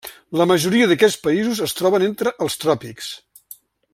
La majoria d'aquests països es troben entre els tròpics.